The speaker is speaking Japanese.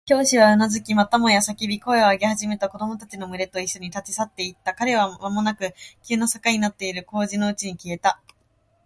教師はうなずき、またもや叫び声を上げ始めた子供たちのむれといっしょに、立ち去っていった。彼らはまもなく急な坂になっている小路のうちに消えた。